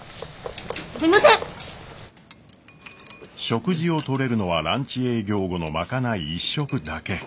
食事をとれるのはランチ営業後の賄い１食だけ。